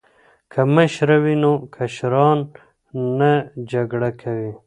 که مشره وي نو کشران نه جګړه کوي.